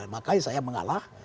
makanya saya mengalah